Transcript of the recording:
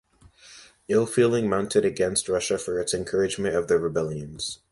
Ill feeling mounted against Russia for its encouragement of the rebellions.